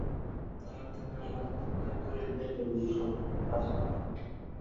নিয়মিত ব্যায়াম করে বলিয়া শরীর বেশ বলিষ্ঠ, স্বাস্থ্যবান।